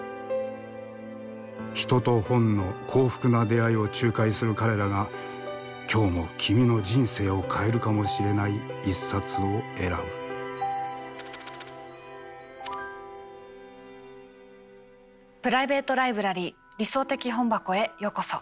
人と本の幸福な出会いを仲介する彼らが今日も君の人生を変えるかもしれない一冊を選ぶプライベート・ライブラリー「理想的本箱」へようこそ。